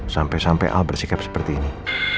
sampe sampe al bersikap seperti ini